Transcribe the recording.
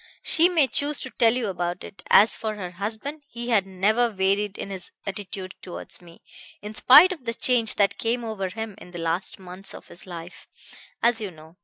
"She may choose to tell you about it. As for her husband, he had never varied in his attitude towards me, in spite of the change that came over him in the last months of his life, as you know.